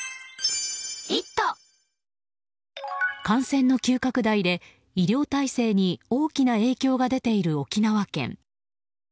感染の急拡大で医療体制に大きな影響が出ている沖縄県。